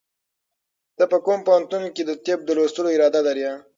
ته په کوم پوهنتون کې د طب د لوستلو اراده لرې؟